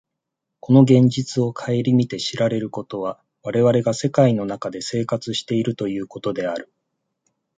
この現実を顧みて知られることは、我々が世界の中で生活しているということである。